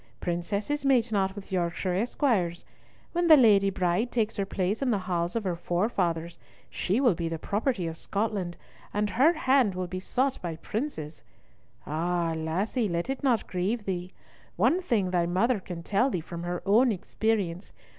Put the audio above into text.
Princesses mate not with Yorkshire esquires. When the Lady Bride takes her place in the halls of her forefathers, she will be the property of Scotland, and her hand will be sought by princes. Ah, lassie! let it not grieve thee. One thing thy mother can tell thee from her own experience.